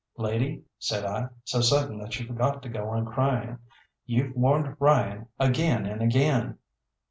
"Lady," said I, so sudden that she forgot to go on crying. "You've warned Ryan again and again."